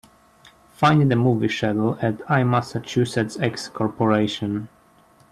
Find the movie schedule at IMassachusettsX Corporation.